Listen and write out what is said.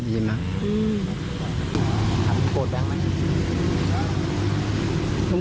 อืม